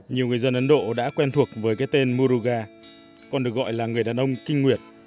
nhiều người dân ấn độ đã quen thuộc với cái tên muga còn được gọi là người đàn ông kinh nguyệt